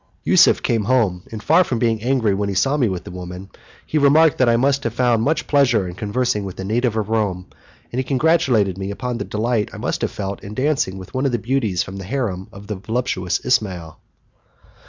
Yusuf came home, and far from being angry when he saw me with the woman, he remarked that I must have found much pleasure in conversing with a native of Rome, and he congratulated me upon the delight I must have felt in dancing with one of the beauties from the harem of the voluptuous Ismail.